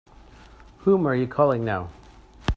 Whom are you calling now?